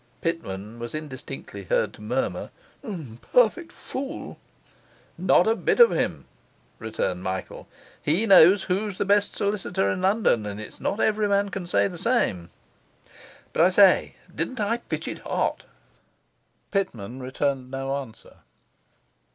Pitman was indistinctly heard to murmur, 'Perfect fool.' 'Not a bit of him,' returned Michael. 'He knows who's the best solicitor in London, and it's not every man can say the same. But, I say, didn't I pitch it in hot?' Pitman returned no answer.